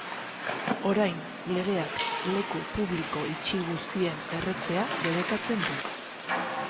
Orain, legeak leku publiko itxi guztien erretzea debekatzen du.